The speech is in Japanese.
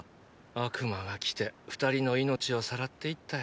悪魔が来て二人の命を攫って行ったよ。